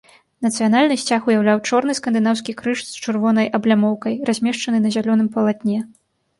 Нацыянальны сцяг уяўляў чорны скандынаўскі крыж з чырвонай аблямоўкай, размешчаны на зялёным палатне.